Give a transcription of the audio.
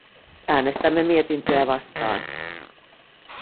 Äänestämme mietintöä vastaan.